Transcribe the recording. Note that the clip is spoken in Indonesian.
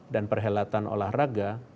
dan perhelatan olahraga